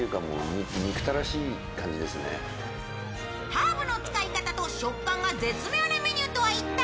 ハーブの使い方と食感が絶妙なメニューとは一体？